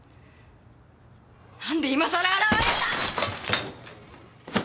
なんで今さら現れた！